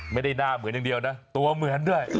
ไม่ได้หน้าเหมือนเดียวตัวเหมือนด้วย